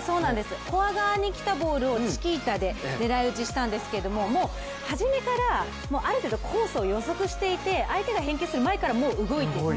フォア側に来たボールをチキータで狙い打ちしたんですけども、もう初めからある程度コースを予測していて相手が返球する前から動いていた。